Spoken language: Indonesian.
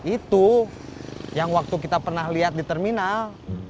itu yang waktu kita pernah lihat di terminal